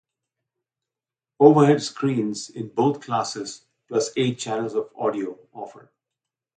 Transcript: Overhead screens in both classes, plus eight channels of audio offered.